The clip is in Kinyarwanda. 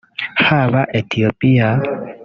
haba Ethiopia